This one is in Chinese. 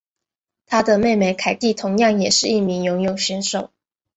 她的妹妹凯蒂同样也是一名游泳选手。